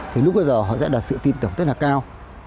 thì lúc bây giờ họ sẽ đạt sự tin tưởng rất là cao